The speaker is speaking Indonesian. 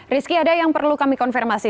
rizky ada yang perlu kami konfirmasi